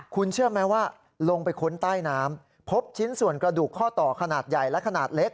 คุณเชื่อไหมว่าลงไปค้นใต้น้ำพบชิ้นส่วนกระดูกข้อต่อขนาดใหญ่และขนาดเล็ก